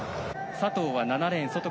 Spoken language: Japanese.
佐藤は７レーン。